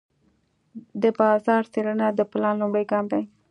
د بازار څېړنه د پلان لومړی ګام دی.